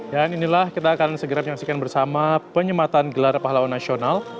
dan inilah kita akan segera menyaksikan bersama penyematan gelar pahlawan nasional